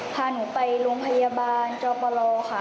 พาหนูไปโรงพยาบาลจอปรค่ะ